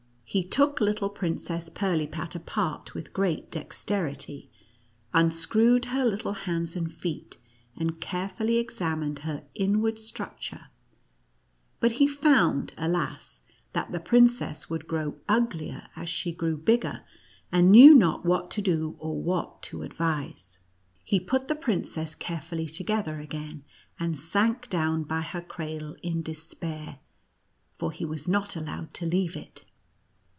He took little Princess Pirlipat apart with great dexterity, un screwed her little hands and feet, and carefully examined her inward structure ; but he found, alas, that the princess would grow uglier as she grew bigger, and knew not what to do or what to advise. He put the princess carefully toge ther again, and sank down by her cradle in de spair, for he was not allowed to leave it.